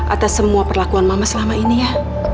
atas semua perlakuan mama selama ini ya